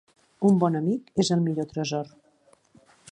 Un bon amic és el millor tresor.